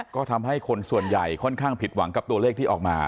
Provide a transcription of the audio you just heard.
ก็ทำให้คนส่วนใหญ่ค่อนข้างผิดหวังกับตัวเลขที่ออกมา